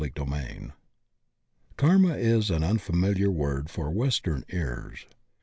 CHAPTER XI KARMA is an unfamiliar word for Western ears.